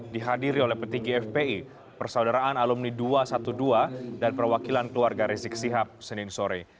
dihadiri oleh petinggi fpi persaudaraan alumni dua ratus dua belas dan perwakilan keluarga rizik sihab senin sore